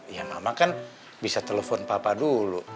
ya mama kan bisa telepon papa dulu